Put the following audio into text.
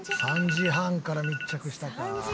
「３時半から密着したか」